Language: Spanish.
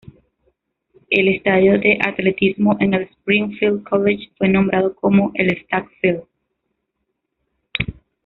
El estadio de atletismo en el Springfield College fue nombrado como el Stagg Field.